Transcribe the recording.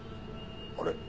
あれ？